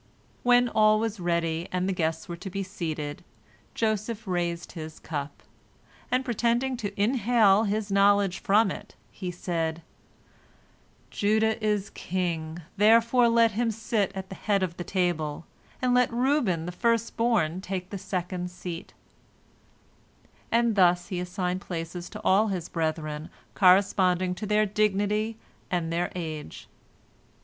When all was ready, and the guests were to be seated, Joseph raised his cup, and, pretending to inhale his knowledge from it, he said, "Judah is king, therefore let him sit at the head of the table, and let Reuben the first born take the second seat," and thus he assigned places to all his brethren corresponding to their dignity and their age.